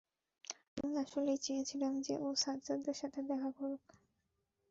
আমি আসলেই চেয়েছিলাম যে, ও সাজ্জাদের সাথে দেখা করুক।